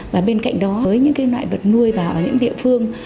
và bên cạnh đó với những cái loại vật nuôi vào những địa phương